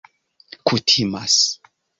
kutimas